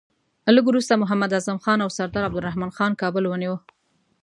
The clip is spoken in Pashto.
لږ وروسته محمد اعظم خان او سردار عبدالرحمن خان کابل ونیوی.